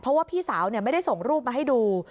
เพราะว่าพี่สาวไม่ได้ส่งรูปมาให้ดู